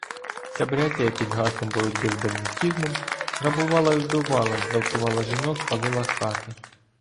Ця братія під гаслом боротьби з "бандітізмом" грабувала і вбивала, ґвалтувала жінок, палила хати.